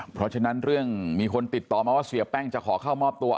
เพราะฉะนั้นเรื่องมีคนติดต่อมาว่าเสียแป้งจะขอเข้ามอบตัว